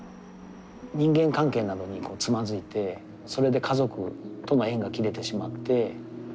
人間関係などにつまずいてそれで家族との縁が切れてしまって。